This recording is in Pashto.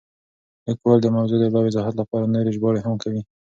لیکوال د موضوع د لا وضاحت لپاره نورې ژباړې هم کوي.